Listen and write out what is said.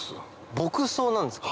牧草なんですか。